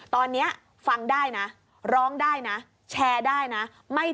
ตอนนี้ฟังได้นะร้องได้นะแชร์ได้นะไม่ถือว่าผิด